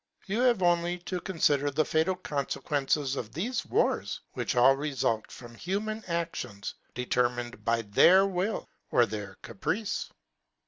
You have only to con fider the fatal confequences of thefe wars, which all refult from human actions, determined by their will, or their caprice.